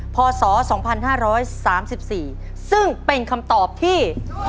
พศสองพันห้าร้อยสามสิบสี่ซึ่งเป็นคำตอบที่